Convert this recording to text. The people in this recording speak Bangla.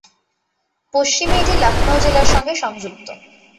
পশ্চিমে এটি লক্ষ্ণৌ জেলার সঙ্গে সংযুক্ত।